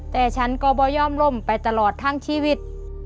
แต่ฉันก็บ่ย่อมล่มไปตลอดทั้งชีวิต